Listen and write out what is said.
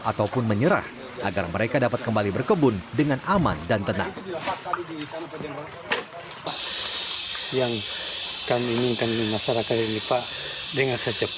ataupun menyerah agar mereka dapat kembali berkebun dengan aman dan tenang